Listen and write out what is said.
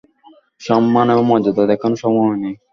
সম্মান এবং মর্যাদা দেখানোর সময়ও নেই।